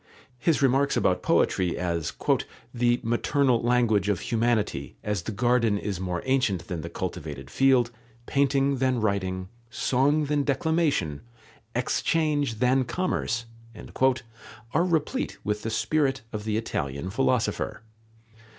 His remarks about poetry as "the maternal language of humanity, as the garden is more ancient than the cultivated field, painting than writing, song than declamation, exchange than commerce," are replete with the spirit of the Italian philosopher.